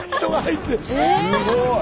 すごい！